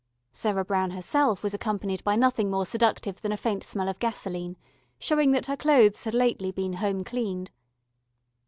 Sarah Brown herself was accompanied by nothing more seductive than a faint smell of gasoline, showing that her clothes had lately been home cleaned.